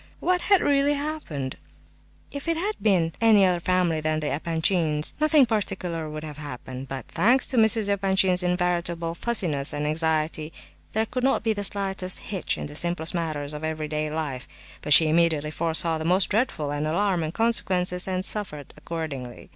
What had really happened? If it had been any other family than the Epanchins', nothing particular would have happened. But, thanks to Mrs. Epanchin's invariable fussiness and anxiety, there could not be the slightest hitch in the simplest matters of everyday life, but she immediately foresaw the most dreadful and alarming consequences, and suffered accordingly.